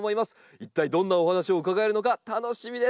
一体どんなお話を伺えるのか楽しみです。